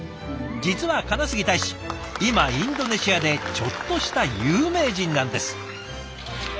実は金杉大使今インドネシアでちょっとした有名人なんです。